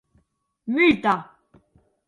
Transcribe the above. Multa!